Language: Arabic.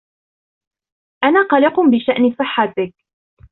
أنا قلق بشأن صحتك.